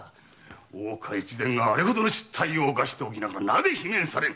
大岡越前があれほどの失態を犯しておきながらなぜ罷免されぬ！